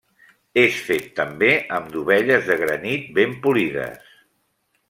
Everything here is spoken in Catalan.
És fet també amb dovelles de granit ben polides.